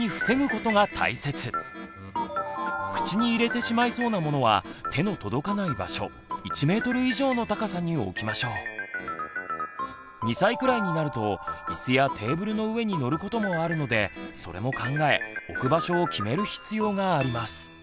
口に入れてしまいそうなものは手の届かない場所２歳くらいになるとイスやテーブルの上に乗ることもあるのでそれも考え置く場所を決める必要があります。